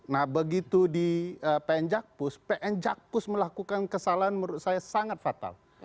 nah begitu di pn jakpus pn jakpus melakukan kesalahan menurut saya sangat fatal